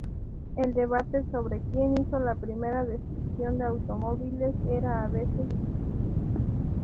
El debate sobre quien hizo la primera destrucción de automóviles era a veces discutida.